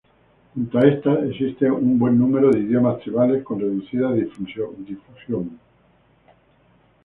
Junto a estas, existe un buen número de idiomas tribales con reducida difusión.